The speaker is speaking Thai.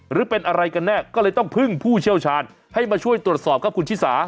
หรือเป็นอะไรกันแน่ก็เลยต้องพึ่งผู้เชี่ยวชาญให้มาช่วยตรวจสอบครับคุณชิสา